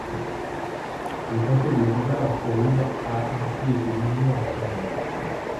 Le comté de Duval en Floride a ainsi été nommé en son honneur.